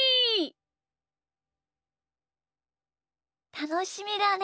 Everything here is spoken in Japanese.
たのしみだね。